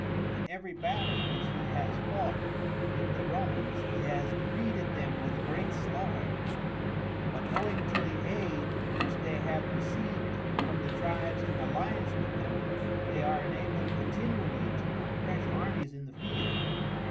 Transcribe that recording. In every battle which he has fought with the Romans he has defeated them with great slaughter; but, owing to the aid which they have received from the tribes in alliance with them, they are enabled continually to put fresh armies in the field.